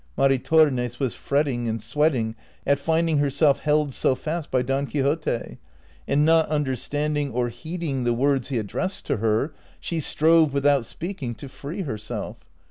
*' Maritornes was fretting and sweating at furding herself held so fast by Don Quixote, and not understanding or heeding the words he addressed to her, she strove without speaking to free herself.